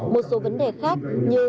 một số vấn đề khác như